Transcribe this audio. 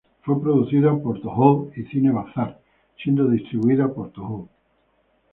Fue producida por Tōhō y Cine Bazar, siendo distribuida por Tōhō.